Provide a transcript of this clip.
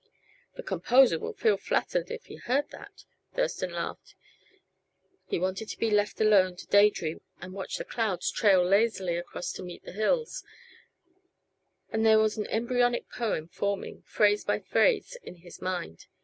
"The composer would feel flattered if he heard that," Thurston laughed. He wanted to be left alone to day dream and watch the clouds trail lazily across to meet the hills; and there was an embryonic poem forming, phrase by phrase, in his mind.